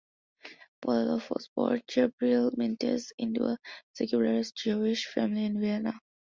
Perloff was born Gabriele Mintz into a secularized Jewish family in Vienna.